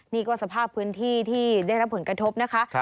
นี่ก็สภาพพื้นที่ที่ได้รับผลกระทบนะคะ